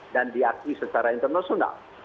dan diakui secara internasional